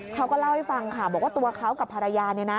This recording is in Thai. เขาก็เล่าให้ฟังค่ะบอกว่าตัวเขากับภรรยา